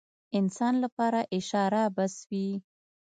انسان لپاره اشاره بس وي.